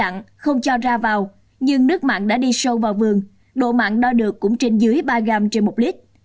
nhưng nước mặn đã đi sâu vào vườn độ mặn đo được cũng trên dưới ba gram trên một lít